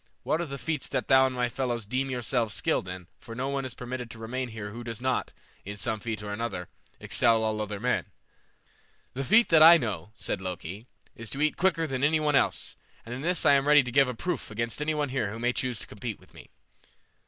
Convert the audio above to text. What are the feats that thou and thy fellows deem yourselves skilled in, for no one is permitted to remain here who does not, in some feat or other, excel all other men?" "The feat that I know," said Loki, "is to eat quicker than any one else, and in this I am ready to give a proof against any one here who may choose to compete with me."